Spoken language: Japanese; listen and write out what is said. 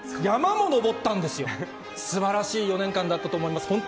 山も登ったんですよ、すばらしい４年間だったと思います。